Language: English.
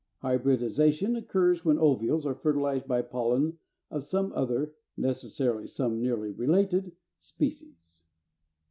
Hybridization occurs when ovules are fertilized by pollen of some other (necessarily some nearly related) species.